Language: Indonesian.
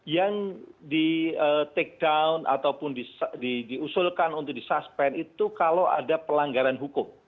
yang di take down ataupun diusulkan untuk disuspend itu kalau ada pelanggaran hukum